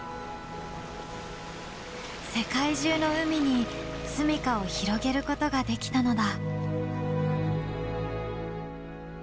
世界中の海に住みかを広げることができたのだ。